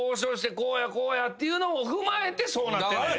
「こうやこうや」っていうのを踏まえてそうなってんねんで。